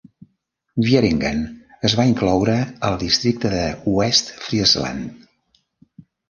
Wieringen es va incloure al districte de Westfriesland.